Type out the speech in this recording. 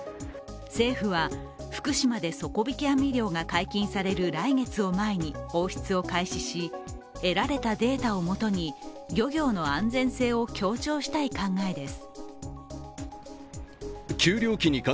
政府は福島で底引き網漁が解禁される来月を前に放出を開始し、得られたデータをもとに漁業の安全性を強調したい考えです。